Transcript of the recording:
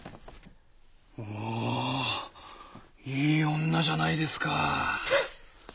おおいい女じゃないですか！